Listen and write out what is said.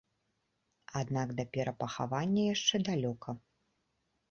Аднак да перапахавання яшчэ далёка.